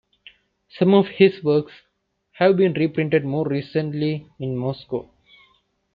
Some of his works have been reprinted more recently in Moscow.